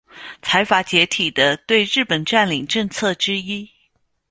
财阀解体的对日本占领政策之一。